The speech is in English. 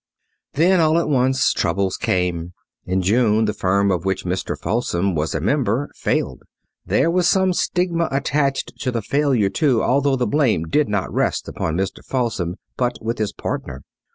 Then, all at once, troubles came. In June the firm of which Mr. Falsom was a member failed. There was some stigma attached to the failure, too, although the blame did not rest upon Mr. Falsom, but with his partner.